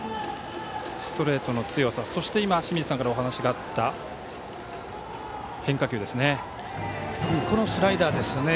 ストレートの強さそして清水さんからお話があった変化球ですね。